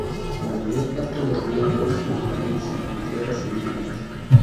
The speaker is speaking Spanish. La mayor parte del río Negro se localiza en tierras indígenas.